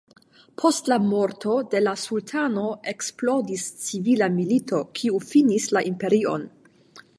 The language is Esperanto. Post la morto de la sultano eksplodis civila milito kiu finis la imperion.